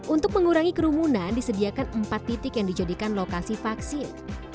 untuk mengurangi kerumunan disediakan empat titik yang dijadikan lokasi vaksin